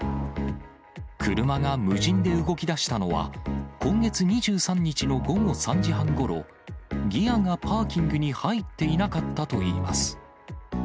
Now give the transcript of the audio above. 車が無人で動きだしたのは、今月２３日の午後３時半ごろ、ギアがパーキングに入っていなかったといいます。